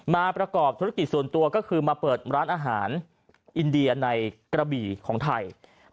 มาประกอบธุรกิจส่วนตัวก็คือมาเปิดร้านอาหารอินเดียในกระบี่ของไทย